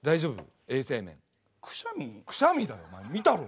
くしゃみだよお前見たろ。